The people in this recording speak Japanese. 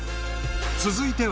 ［続いては］